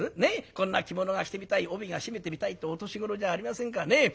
こんな着物が着てみたい帯が締めてみたいってお年頃じゃありませんかね。